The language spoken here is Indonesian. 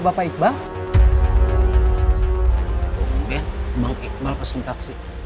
mbak ikmal pesan taksi